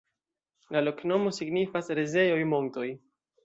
La loknomo signifas: rizejoj-montoj.